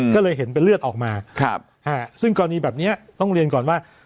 ก็เลยเห็นเป็นเลือดออกมาซึ่งกรณีแบบนี้ต้องเรียนก่อนว่า